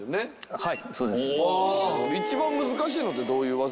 はい。